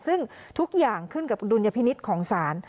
ซึ่งทุกอย่างขึ้นกับดุลยพินิษฐ์ของศาล